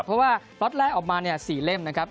เพราะว่าล็อตแรกออกมา๔เล่มนะครับ